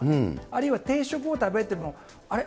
あるいは定食を食べてもあれ？